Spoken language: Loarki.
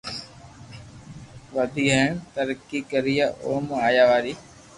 ودئي ھين ترقي ڪرئي او مون آيا واري